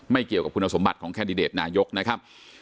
เกี่ยวกับคุณสมบัติของแคนดิเดตนายกนะครับ